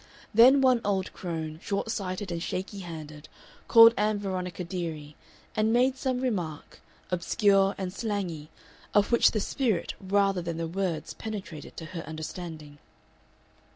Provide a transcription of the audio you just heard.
Then one old crone, short sighted and shaky handed, called Ann Veronica "dearie," and made some remark, obscure and slangy, of which the spirit rather than the words penetrated to her understanding.